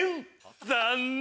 残念！